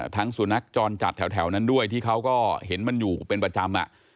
สุนัขจรจัดแถวนั้นด้วยที่เขาก็เห็นมันอยู่เป็นประจำ